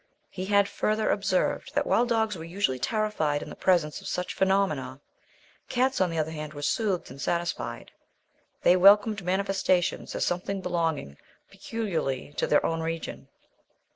He had, further, observed that while dogs were usually terrified in the presence of such phenomena, cats on the other hand were soothed and satisfied. They welcomed manifestations as something belonging peculiarly to their own region.